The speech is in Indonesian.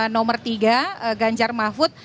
nomor tiga ganjar mahfud